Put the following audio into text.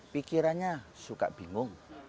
pikirannya suka bingung